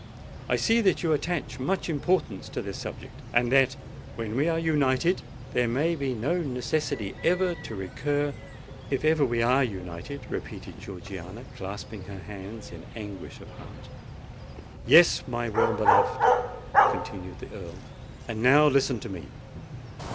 I see that you attach much importance to this subject—and that, when we are united, there may be no necessity ever to recur——" "If ever we are united!" repeated Georgiana, clasping her hands in anguish of heart. "Yes, my well beloved," continued the Earl. "And now listen to me.